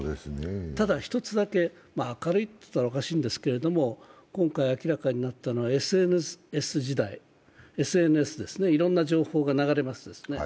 ただ１つだけ明るいと言ったらおかしいんですけれども、今回明らかになったのはＳＮＳ時代、ＳＮＳでいろんな情報が流れますね。